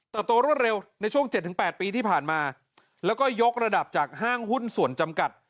ตัวรวดเร็วในช่วง๗๘ปีที่ผ่านมาแล้วก็ยกระดับจากห้างหุ้นส่วนจำกัด